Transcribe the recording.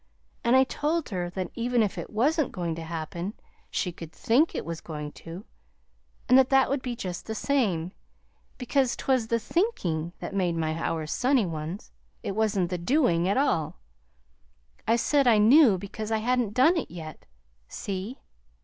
And I told her that even if it wasn't going to happen she could THINK it was going to, and that that would be just the same, because 't was the thinking that made my hours sunny ones. It wasn't the DOING at all. I said I knew because I hadn't DONE it yet. See?"